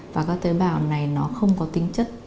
và các tế bào này nó không có tính chất